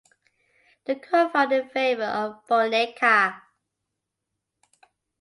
The court found in favour of Boniecka.